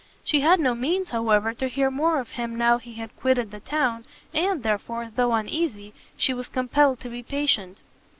She had no means, however, to hear more of him now he had quitted the town, and therefore, though uneasy, she was compelled to be patient.